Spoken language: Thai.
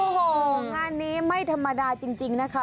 โอ้โหงานนี้ไม่ธรรมดาจริงนะคะ